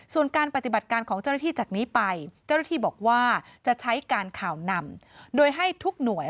ของเจ้ารุชที่จากนี้ไปเจ้ารุชที่บอกว่าจะใช้การข่าวนำโดยให้ทุกหน่วย